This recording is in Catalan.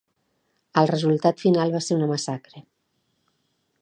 El resultat final va ser una massacre.